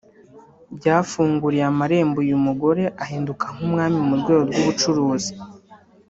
byafunguriye amarembo uyu mugore ahinduka nk’umwami mu rwego rw’ubucuruzi